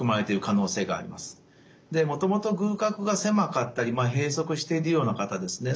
でもともと隅角が狭かったり閉塞しているような方ですね